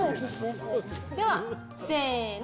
では、せーの！